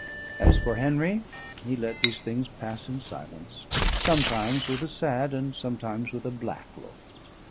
As for Henry, he let these things pass in silence, sometimes with a sad and sometimes with a black look.